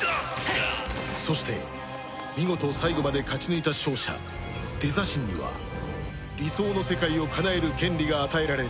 そして見事最後まで勝ち抜いた勝者デザ神には理想の世界をかなえる権利が与えられる